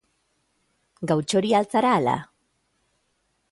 Gautxoria al zara, ala?